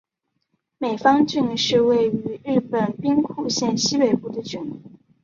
美方郡是位于日本兵库县西北部的郡。